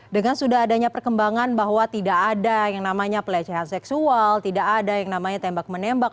dengan sudah adanya perkembangan bahwa tidak ada yang namanya pelecehan seksual tidak ada yang namanya tembak menembak